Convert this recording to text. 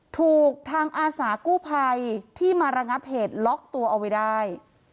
ถูกทางอาสากู้ภัยที่มาระงับเหตุล็อกตัวเอาไว้ได้